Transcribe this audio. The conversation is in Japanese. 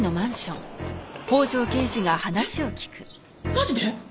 マジで？